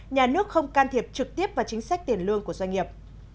nhà nước không can thiệp trực tiếp vào chính sách tiền lương của doanh nghiệp